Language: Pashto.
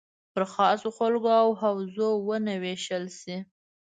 پر خاصو خلکو او حوزو ونه ویشل شي.